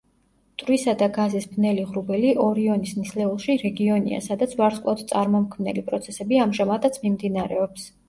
მტვრისა და გაზის ბნელი ღრუბელი ორიონის ნისლეულში რეგიონია, სადაც ვარსკვლავთწარმომქმნელი პროცესები ამჟამადაც მიმდინარეობს.